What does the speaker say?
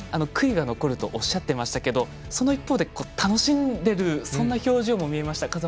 悔いが残るとおっしゃってましたけどその一方で、楽しんでいるそんな表情も見えました。